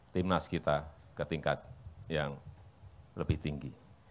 timnas kita ke tingkat yang lebih tinggi